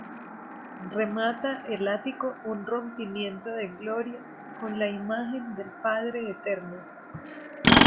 Remata el ático un rompimiento de gloria con la imagen del Padre Eterno.